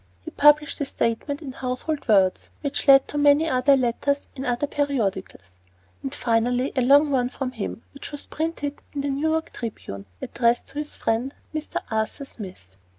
He published a statement in Household Words, which led to many other letters in other periodicals, and finally a long one from him, which was printed in the New York Tribune, addressed to his friend Mr. Arthur Smith.